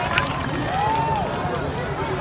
สวัสดีครับทุกคน